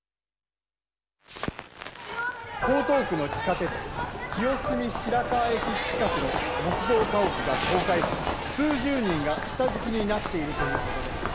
江東区の地下鉄清澄白河駅近くの木造家屋が倒壊し数十人が下敷きになっているということです。